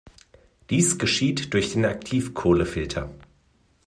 Dies geschieht durch den Aktivkohlefilter.